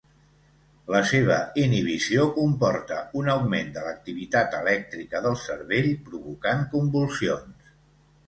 La seva inhibició comporta un augment de l'activitat elèctrica del cervell provocant convulsions.